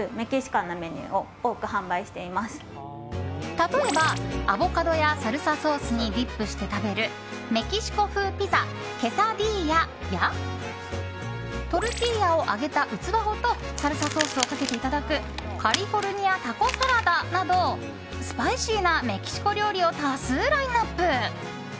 例えばアボカドや、サルサソースにディップして食べるメキシコ風ピザ、ケサディーヤやトルティーヤを揚げた器ごとサルサソースをかけていただくカリフォルニアタコサラダなどスパイシーなメキシコ料理を多数ラインアップ！